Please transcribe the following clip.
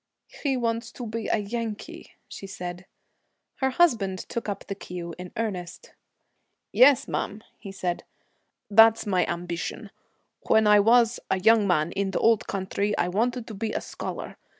'He wants to be a Yankee,' she said. Her husband took up the cue in earnest. 'Yes, ma'am,' he said, 'that's my ambition. When I was a young man, in the old country, I wanted to be a scholar.